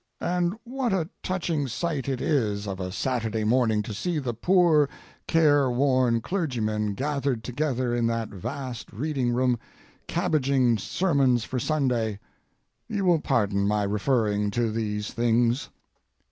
And what a touching sight it is of a Saturday afternoon to see the poor, careworn clergymen gathered together in that vast reading room cabbaging sermons for Sunday. You will pardon my referring to these things.